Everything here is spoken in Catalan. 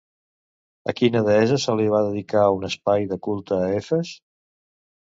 A quina deessa se li va dedicar un espai de culte a Efes?